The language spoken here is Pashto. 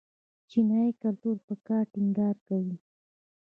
چینايي کلتور پر کار ټینګار کوي.